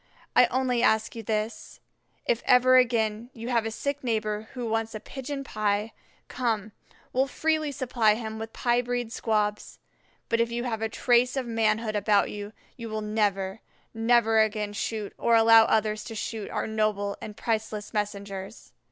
I only ask you this, if ever again you have a sick neighbor who wants a pigeon pie, come, we'll freely supply him with pie breed squabs; but if you have a trace of manhood about you, you will never, never again shoot, or allow others to shoot, our noble and priceless messengers."